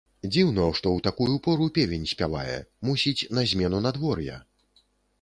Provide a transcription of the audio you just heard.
Дзіўна, што ў такую пору певень спявае, мусіць, на змену надвор'я.